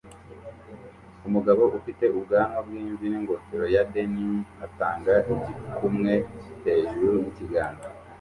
Umugabo ufite ubwanwa bwimvi ningofero ya denim atanga igikumwe hejuru yikiganza